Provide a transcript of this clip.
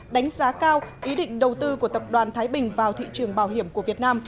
đánh giá cao ý định đầu tư của tập đoàn thái bình vào thị trường bảo hiểm của việt nam